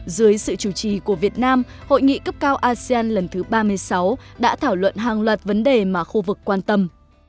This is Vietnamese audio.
dưới sự chủ trì của việt nam hội nghị cấp cao asean lần thứ ba mươi sáu đã thảo luận hàng loạt vấn đề mà khu vực quan tâm